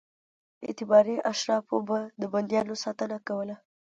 اعتباري اشرافو به د بندیانو ساتنه کوله.